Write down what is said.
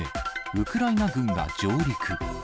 ウクライナ軍が上陸。